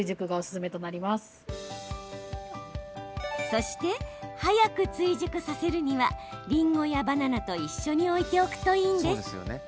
そして早く追熟させるにはりんごやバナナと一緒に置いておくといいんです。